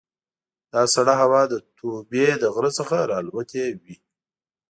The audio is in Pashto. دا سړه هوا د توبې د غره څخه را الوتې وي.